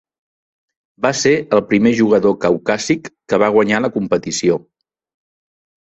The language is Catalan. Va ser el primer jugador caucàsic que va guanyar la competició.